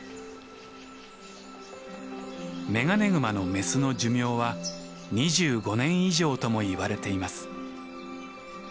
メガネグマのメスの寿命は２５年以上ともいわれています。